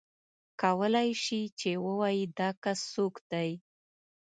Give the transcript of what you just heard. کولای شې چې ووایې دا کس څوک دی.